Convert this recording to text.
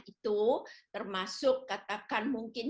untuk penghasilan ini iser batasnya perbaikan